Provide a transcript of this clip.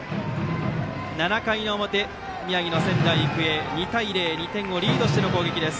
７回の表、宮城の仙台育英は２対０で２点をリードしての攻撃です。